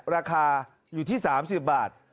ราคาอยู่ที่๓๐บาท